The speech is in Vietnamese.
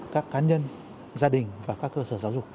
các cá nhân gia đình và các tổ chức